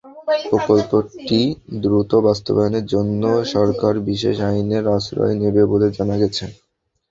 প্রকল্পটি দ্রুত বাস্তবায়নের জন্য সরকার বিশেষ আইনের আশ্রয় নেবে বলে জানা গেছে।